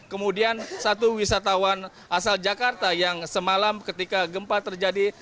kemudian satu wisatawan asal jakarta yang semalam ketika gempa terjadi